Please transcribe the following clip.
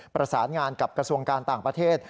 ประสานงานกับกระทรวงการต่างประเทศ